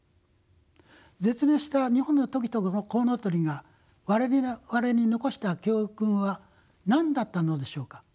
絶滅した日本のトキとコウノトリが我々に残した教訓は何だったのでしょうか？